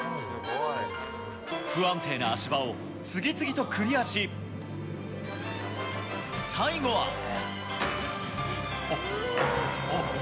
不安定な足場を次々とクリアし最後は。